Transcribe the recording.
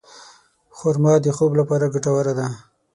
خرما د خوب لپاره ګټوره ده.